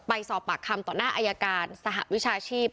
ไปสอบปากคำต่อหน้าอายการสหวิชาชีพ